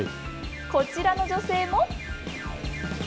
こちらの女性も。